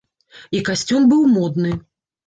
І касцюм быў модны.